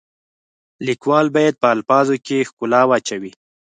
لیکوال باید په الفاظو کې ښکلا واچوي.